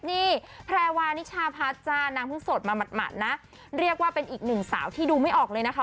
นี่แพรวานิชาพัฒน์จ้านางเพิ่งสดมาหมัดนะเรียกว่าเป็นอีกหนึ่งสาวที่ดูไม่ออกเลยนะคะ